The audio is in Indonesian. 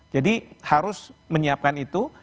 jadi harus menyiapkan itu